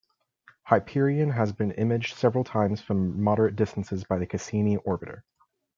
Hyperion has been imaged several times from moderate distances by the "Cassini" orbiter.